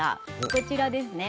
こちらですね。